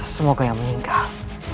semoga yang meninggal